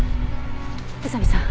宇佐見さん